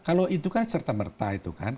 kalau itu kan serta merta itu kan